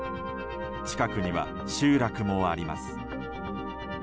近くには集落もあります。